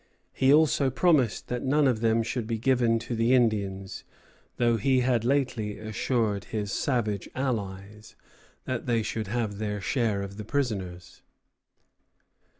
He also promised that none of them should be given to the Indians, though he had lately assured his savage allies that they should have their share of the prisoners.